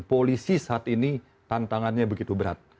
polisi saat ini tantangannya begitu berat